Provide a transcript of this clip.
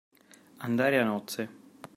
Andare a nozze.